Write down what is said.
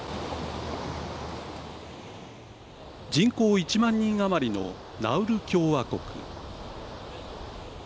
人口１万人余りのナウル共和国。